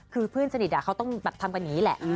คือเพื่อนสนิทเขาต้องแบบทำกันอย่างนี้แหละ